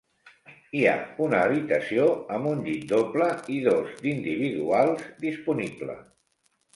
Hi ha una habitació amb un llit doble i dos d'individuals disponible.